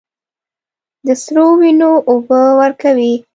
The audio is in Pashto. د سرو، وینو اوبه ورکوي